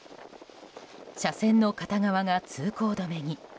車線の片側が通行止めに。